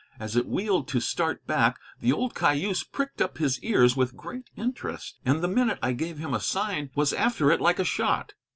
As it wheeled to start back, the old cayuse pricked up his ears with great interest, and the minute I gave him a sign was after it like a shot.